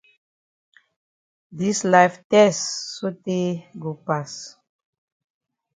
Dis life tess sotay go pass.